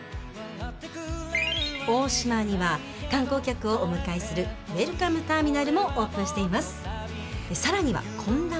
大島には観光客をお迎えするウェルカム・ターミナルもオープンしています。